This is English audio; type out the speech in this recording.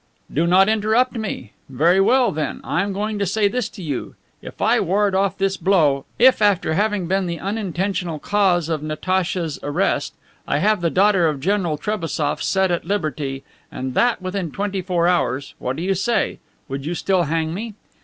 "Do not interrupt me! Very well, then, I am going to say this to you: 'If I ward off this blow if, after having been the unintentional cause of Natacha's arrest, I have the daughter of General Trebassof set at liberty, and that within twenty four hours, what do you say? Would you still hang me?